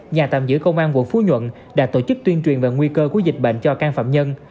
nhà tạm giữ công an quận phú nhuận đã tổ chức tuyên truyền về nguy cơ của dịch bệnh cho can phạm nhân